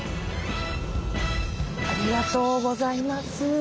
ありがとうございます。